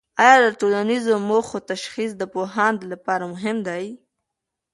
آیا د ټولنیزو موخو تشخیص د پوهاند لپاره مهم دی؟